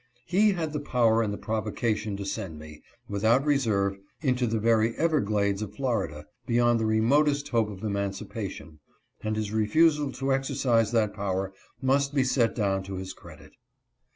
He had the power and the provocation to send me, without reserve, into the very Everglades of Florida, beyond the remotest hope of emancipation; and his refusal to exercise that power must be set down to his credit.